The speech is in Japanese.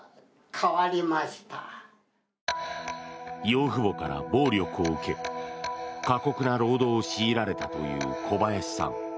養父母から暴力を受け過酷な労働を強いられたという小林さん。